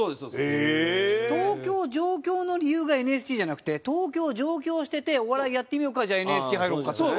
東京上京の理由がＮＳＣじゃなくて東京上京しててお笑いやってみようかじゃあＮＳＣ入ろうかって事？